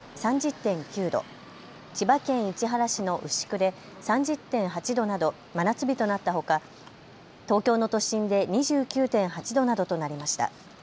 埼玉県鳩山町で３１．４度、群馬県館林市で３０．９度、千葉県市原市の牛久で３０．８度など真夏日となったほか東京の都心で２９．８度などとなりました。